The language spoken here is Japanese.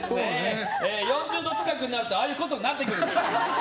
４０度近くになるとああいうことになってくる。